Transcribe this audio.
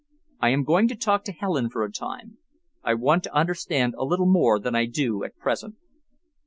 I am going to talk to Helen for a time. I want to understand a little more than I do at present."